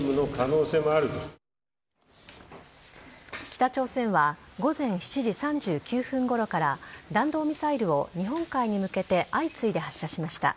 北朝鮮は午前７時３９分ごろから弾道ミサイルを日本海に向けて相次いで発射しました。